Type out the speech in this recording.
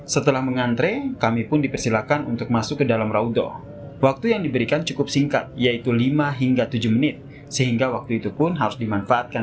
setelah mengantre kami pun diberi jadwal